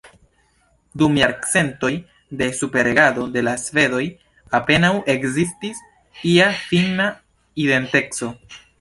Dum jarcentoj de superregado de la svedoj, apenaŭ ekzistis ia finna identeco.